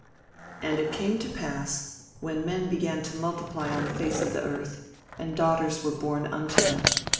And it came to pass, when men began to multiply on the face of the earth, and daughters were born unto them.